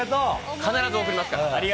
必ず送りますから。